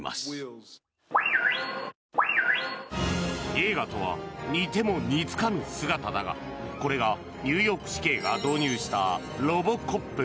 映画とは似ても似つかぬ姿だがこれがニューヨーク市警が導入したロボコップ。